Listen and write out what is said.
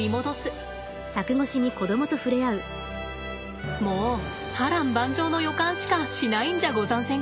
もう波乱万丈の予感しかしないんじゃござんせんか？